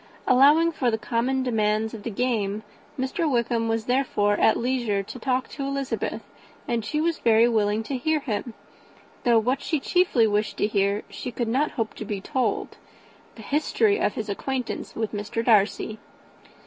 Allowing for the common demands of the game, Mr. Wickham was therefore at leisure to talk to Elizabeth, and she was very willing to hear him, though what she chiefly wished to hear she could not hope to be told, the history of his acquaintance with Mr. Darcy.